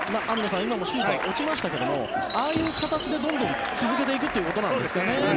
今もシュートは落ちましたがああいう形でどんどん続けていくということなんですかね。